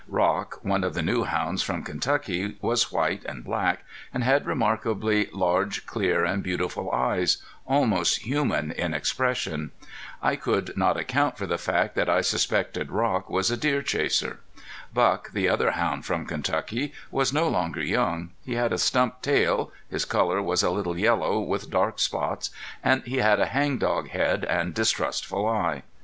Rock, one of the new hounds from Kentucky, was white and black, and had remarkably large, clear and beautiful eyes, almost human in expression. I could not account for the fact that I suspected Rock was a deer chaser. Buck, the other hound from Kentucky, was no longer young; he had a stump tail; his color was a little yellow with dark spots, and he had a hang dog head and distrustful eye.